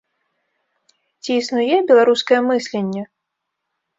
Ці існуе беларускае мысленне?